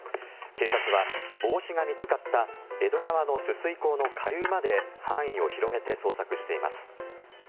警察は、帽子が見つかった江戸川の取水口の下流まで範囲を広げて捜索しています。